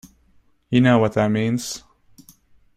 You know what that means.